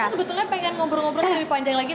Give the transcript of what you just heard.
sebetulnya pengen ngobrol ngobrol lebih panjang lagi